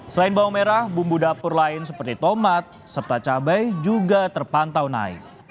selain bawang merah bumbu dapur lain seperti tomat serta cabai juga terpantau naik